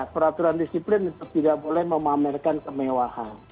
peraturan disiplin untuk tidak boleh memamerkan kemewahan